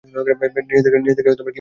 নিজেদেরকে কি মনে হয়?